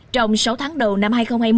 trong sáu tháng đầu năm hai nghìn hai mươi